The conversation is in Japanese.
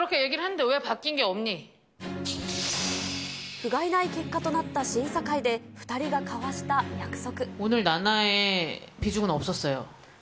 ふがいない結果となった審査会で２人が交わした約束。